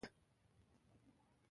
عدالت د یوې پرمختللې ټولنې نښه ده.